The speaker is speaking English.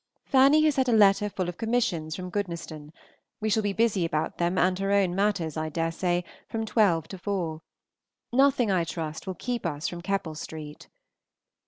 Fanny has had a letter full of commissions from Goodnestone; we shall be busy about them and her own matters, I dare say, from twelve to four. Nothing, I trust, will keep us from Keppel Street.